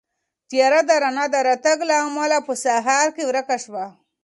تیاره د رڼا د راتګ له امله په سهار کې ورکه شوه.